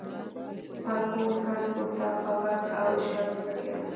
پکولي کس ورته په غږ او اشارو لګيا شو.